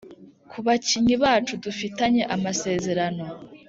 ku bakinnyi bacu dufitanye amasezerano